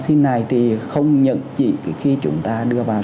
xin chào tất cả các bạn